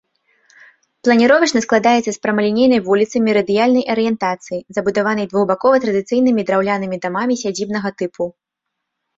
Планіровачна складаецца з прамалінейнай вуліцы мерыдыянальнай арыентацыі, забудаванай двухбакова традыцыйнымі драўлянымі дамамі сядзібнага тыпу.